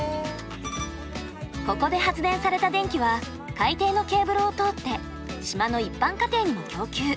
ここで発電された電気は海底のケーブルを通って島の一般家庭にも供給。